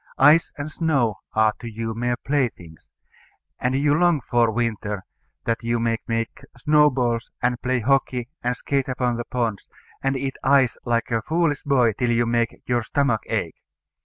Ice and snow are to you mere playthings; and you long for winter, that you may make snowballs and play hockey and skate upon the ponds, and eat ice like a foolish boy till you make your stomach ache.